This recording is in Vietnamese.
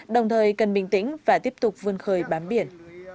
đồng thời cần bình tĩnh và tiếp tục vươn khơi bám biển